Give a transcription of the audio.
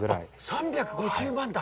３５０万だ。